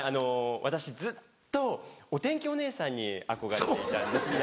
私ずっとお天気お姉さんに憧れていたんですね。